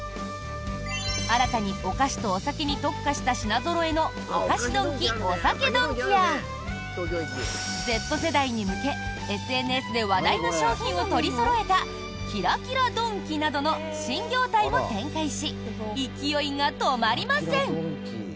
新たに、お菓子とお酒に特化した品ぞろえのお菓子ドンキ・お酒ドンキやＺ世代に向け、ＳＮＳで話題の商品を取りそろえたキラキラドンキなどの新業態も展開し勢いが止まりません。